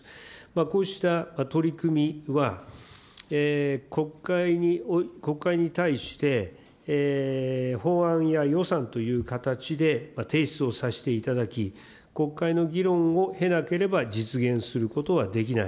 こうした取り組みは、国会に対して、法案や予算という形で提出をさせていただき、国会の議論を経なければ実現することはできない。